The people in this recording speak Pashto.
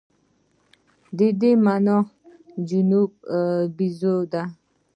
د دې مانا جنوبي بیزو ده.